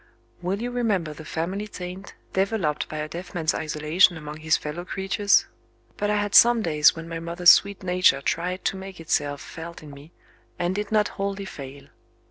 Will you remember the family taint, developed by a deaf man's isolation among his fellow creatures? But I had some days when my mother's sweet nature tried to make itself felt in me, and did not wholly fail.